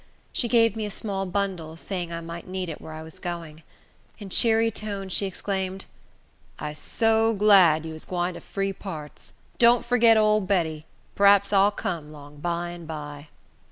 She gave me a small bundle, saying I might need it where I was going. In cheery tones, she exclaimed, "I'se so glad you is gwine to free parts! Don't forget ole Betty. P'raps I'll come 'long by and by."